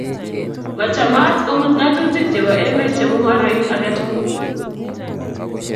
Machamat kobut ng'atutik chebo emet chemung'oroin age tugul